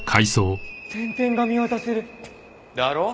全天が見渡せる！だろ？